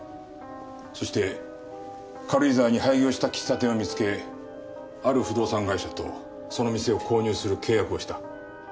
そして軽井沢に廃業した喫茶店を見つけある不動産会社とその店を購入する契約をした。